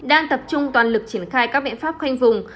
đang tập trung toàn lực triển khai các biện pháp khoanh vùng